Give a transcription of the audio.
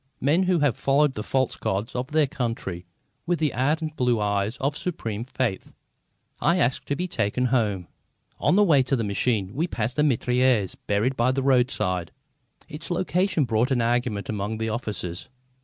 Men who have followed the false gods of their country with the ardent blue eyes of supreme faith. I asked to be taken home. On the way to the machine we passed a mitrailleuse buried by the roadside. Its location brought an argument among the officers.